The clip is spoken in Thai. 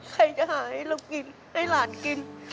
ใครจะหาให้เรากินให้หลานกิน